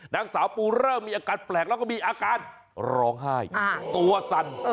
นางสาวปูเริ่มมีอาการแปลกแล้วก็มีอาการร้องไห้ตัวสั่น